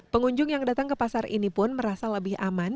pengunjung yang datang ke pasar ini pun merasa lebih aman